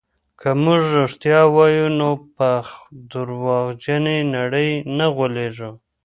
که موږ رښتیا ووایو نو په درواغجنې نړۍ نه غولېږو.